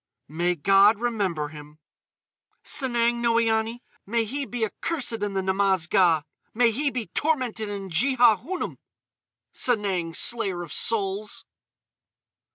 "May God remember him." "Sanang Noïane. May he be accursed in the Namaz Ga!" "May he be tormented in Jehaunum!—Sanang, Slayer of Souls."